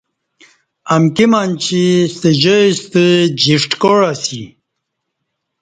امکی منچی ستہ جائی ستہ جیݜٹ کاع اسی